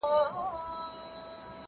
زه له سهاره سړو ته خواړه ورکوم!؟